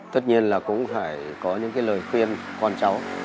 tất nhiên là cũng phải có những cái lời khuyên con cháu